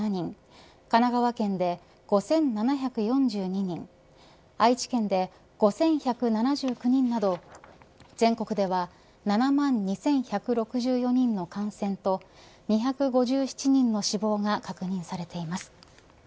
神奈川県で５７４２人愛知県で５１７９人など全国では７万２１６４人の感染と２５７人の死亡が確認されています。